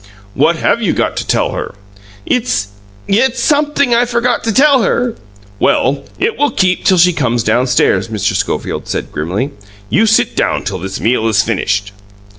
"What have you 'got' to tell her?" "It's it's sumpthing I forgot to tell her." "Well, it will keep till she comes downstairs," Mr. Schofield said grimly. "You sit down till this meal is finished."